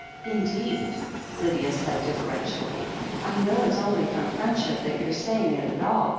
"Indeed," Lydia said deferentially, "I know it*s only from friendship that you're saying it at all.